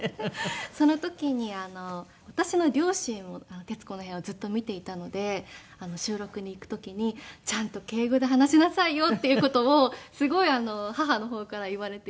その時に私の両親も『徹子の部屋』をずっと見ていたので収録に行く時にちゃんと敬語で話しなさいよっていう事をすごい母の方から言われていまして。